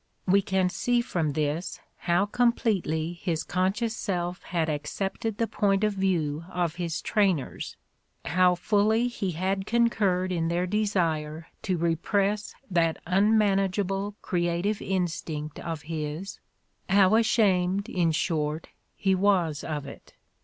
We can see from this how completely his conscious self had accepted the point of view of his trainers, how fully he had concurred in their desire to repress that unmanage able creative instinct of his, how ashamed, in short, he was of it.